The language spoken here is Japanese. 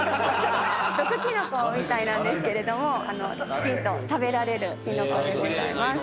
毒きのこみたいなんですけれどもきちんと食べられるきのこでございます。